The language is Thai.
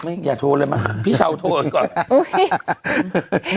อย่าโทรเลยมาพี่เช้าโทรกันก่อน